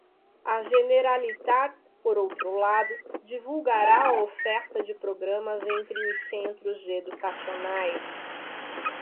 A Generalitat, por outro lado, divulgará a oferta de programas entre os centros educacionais.